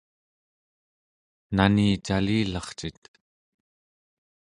nani calilarcit?